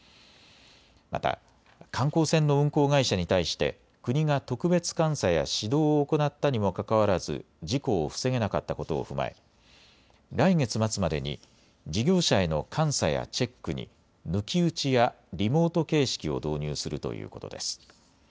また観光船の運航会社に対して国が特別監査や指導を行ったにもかかわらず事故を防げなかったことを踏まえ来月末までに事業者への監査やチェックに抜き打ちやリモート形式を導入するということです。